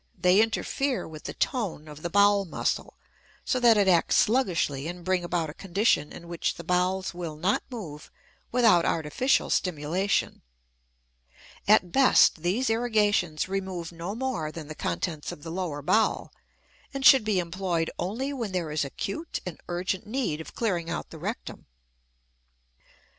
They interfere with the "tone" of the bowel muscle so that it acts sluggishly and bring about a condition in which the bowels will not move without artificial stimulation. At best these irrigations remove no more than the contents of the lower bowel, and should be employed only when there is acute and urgent need of clearing out the rectum.